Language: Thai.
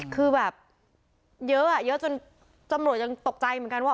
คือแบบเยอะเยอะจนตำรวจยังตกใจเหมือนกันว่า